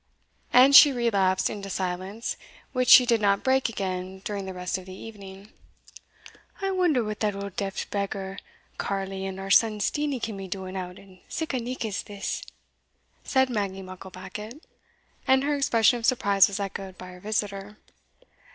And she relapsed into silence, which she did not break again during the rest of the evening. "I wonder what that auld daft beggar carle and our son Steenie can be doing out in sic a nicht as this," said Maggie Mucklebackit; and her expression of surprise was echoed by her visitor.